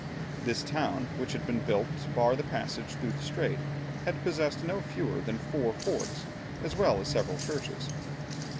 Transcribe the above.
This town, which had been built to bar the passage through the strait, had possessed no fewer than four forts as well as several churches.